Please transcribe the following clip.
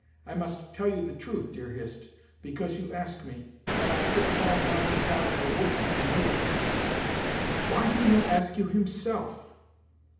I must tell you the truth, dear Hist, because you ask me, but I should fall down and die in the woods, if he knew it!" "Why he no ask you, himself?